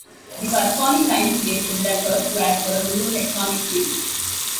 The corresponding time frame is referred to as the "neotectonic period".